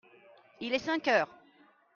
il est cinq heures.